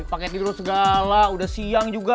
pakai tidur segala udah siang juga